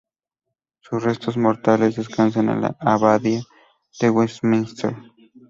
Sus restos mortales descansan en la Abadía de Westminster.